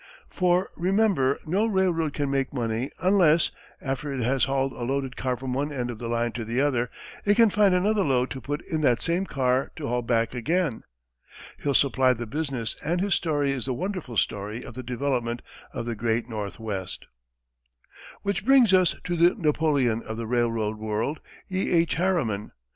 For remember no railroad can make money unless, after it has hauled a loaded car from one end of the line to the other, it can find another load to put in that same car to haul back again. Hill supplied the business and his story is the wonderful story of the development of the Great Northwest. Which brings us to the Napoleon of the railroad world, E. H. Harriman.